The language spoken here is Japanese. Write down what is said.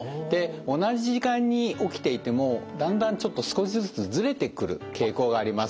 同じ時間に起きていてもだんだんちょっと少しずつずれてくる傾向があります。